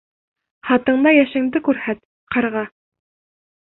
Хатыңда йәшеңде күрһәт, ҡарға!